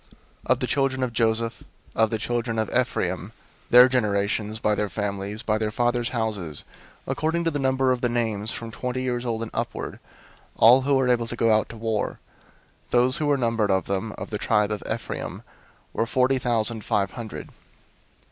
001:032 Of the children of Joseph, of the children of Ephraim, their generations, by their families, by their fathers' houses, according to the number of the names, from twenty years old and upward, all who were able to go out to war; 001:033 those who were numbered of them, of the tribe of Ephraim, were forty thousand five hundred.